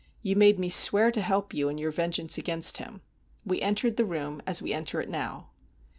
You made me swear to help you in your vengeance against him. We entered the room, as we enter it now."